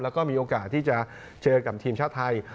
แล้วก็มีโอกาสที่จะเจอกับทีมชาติไทย